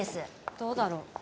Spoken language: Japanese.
「どうだろう」